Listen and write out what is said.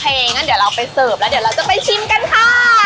อย่างนั้นเดี๋ยวเราไปเสิร์ฟแล้วเดี๋ยวเราจะไปชิมกันค่ะ